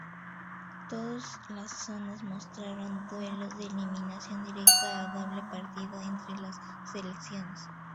Todos las zonas mostraron duelos de eliminación directa a doble partido entre las selecciones.